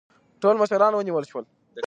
ټول مشران ونیول شول.